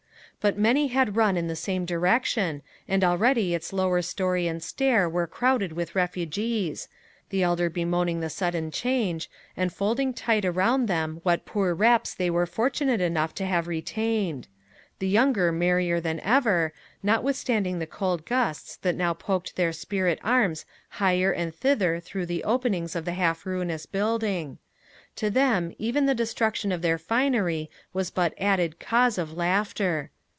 But many had run in the same direction, and already its lower story and stair were crowded with refugees the elder bemoaning the sudden change, and folding tight around them what poor wraps they were fortunate enough to have retained; the younger merrier than ever, notwithstanding the cold gusts that now poked their spirit arms higher and thither through the openings of the half ruinous building: to them even the destruction of their finery was but added cause of laughter.